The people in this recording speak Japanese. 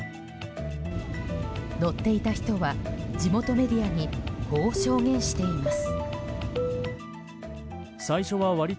乗っていた人は地元メディアにこう証言しています。